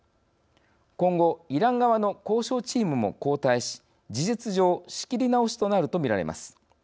今後イラン側の交渉チームも交代し事実上、仕切り直しとなるとみられます。